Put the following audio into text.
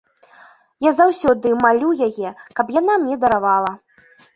Я заўсёды малю яе, каб яна мне даравала.